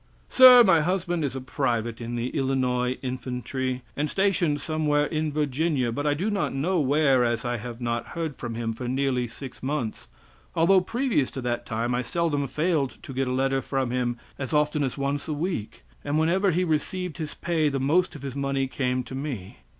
"Sir, my husband is a private in the th Illinois infantry, and stationed somewhere in Virginia, but I do not know where as I have not heard from him for nearly six months, although previous to that time I seldom failed to get a letter from him as often as once a week, and whenever he received his pay the most of his money came to me.